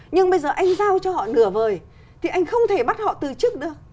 nhưng bây giờ anh giao cho họ nửa vời thì anh không thể bắt họ từ chức được